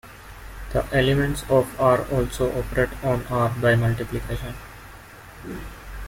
The elements of "R" also operate on "R" by multiplication.